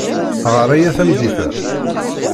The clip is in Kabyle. Ɣer aya tameddit-a.